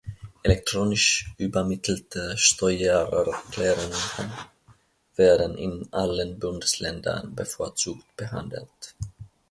Elektronisch übermittelte Steuererklärungen werden in allen Bundesländern bevorzugt behandelt.